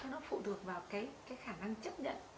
nó phụ thuộc vào cái khả năng chấp nhận